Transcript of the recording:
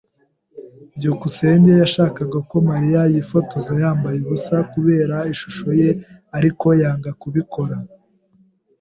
byukusenge yashakaga ko Mariya yifotoza yambaye ubusa kubera ishusho ye, ariko yanga kubikora.